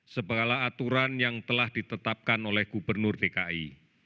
sebalah aturan yang telah ditetapkan oleh gubernur tki